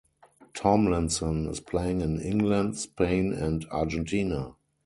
Tomlinson is playing in England, Spain and Argentina.